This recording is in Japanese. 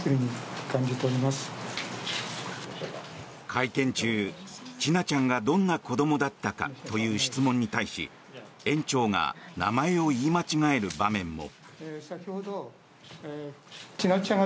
会見中、千奈ちゃんがどんな子どもだったかという質問に対し園長が名前を言い間違える場面も。